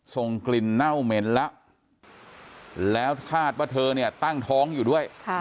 ส่งกลิ่นเน่าเหม็นแล้วแล้วคาดว่าเธอเนี่ยตั้งท้องอยู่ด้วย